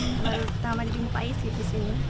terutama di bung pais gitu sini